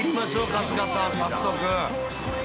春日さん、早速。